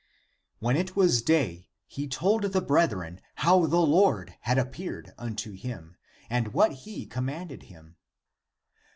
When it was day, he told the brethren how the Lord had appeared unto him and what he commanded him.